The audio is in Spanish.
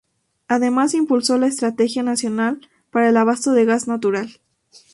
Además impulsó la Estrategia Nacional para el Abasto de Gas Natural.